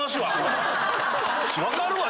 分かるわ！